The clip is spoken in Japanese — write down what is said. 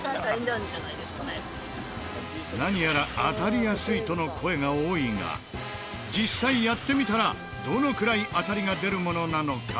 何やら当たりやすいとの声が多いが実際やってみたらどのくらい当たりが出るものなのか？